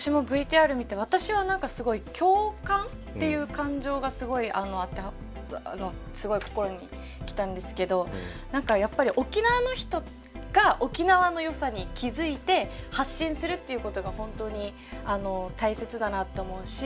私もＶＴＲ見て私は何かすごい共感っていう感情がすごい心に来たんですけど何かやっぱり沖縄の人が沖縄のよさに気付いて発信するっていうことが本当に大切だなって思うし